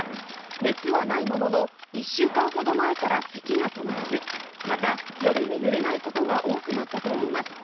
熱はないものの、１週間ほど前から咳が止まらず、また、夜眠れないことが多くなったといいます。